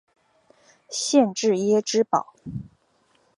县治耶芝堡。